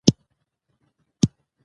د ټولنې اصلاح له ځانه پیل کړئ.